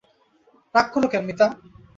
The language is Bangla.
রাগ কর কেন মিতা।